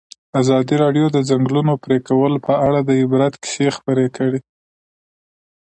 ازادي راډیو د د ځنګلونو پرېکول په اړه د عبرت کیسې خبر کړي.